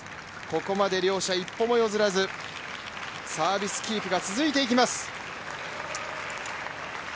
ここまで両者一歩も譲らず、サービスキープが続いていきます。